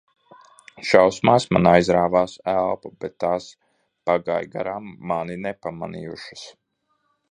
Šausmās man aizrāvās elpa, bet tās pagāja garām mani nepamanījušas.